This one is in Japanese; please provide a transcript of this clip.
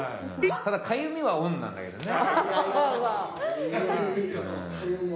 ただかゆみはオンなんだけどね。